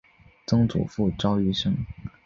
曾祖父赵愈胜。